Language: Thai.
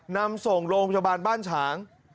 นำส่งโรงพยาบาลบ้านฉาง